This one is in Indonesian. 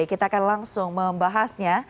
kita akan langsung membahasnya